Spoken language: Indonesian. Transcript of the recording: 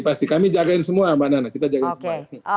pasti kami jagain semua kita jagain semua